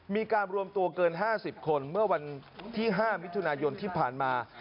มีการรวมตัวเกิน๕๐คนเมื่อวันที่๕มิถุนายนที่ผ่านมา